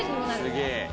すげえ！